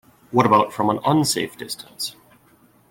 What about from an unsafe distance?